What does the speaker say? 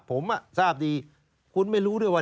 ผมทราบดีคุณไม่รู้ด้วยว่า